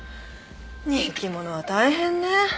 人気者は大変ね。